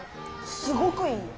すごくいいよ。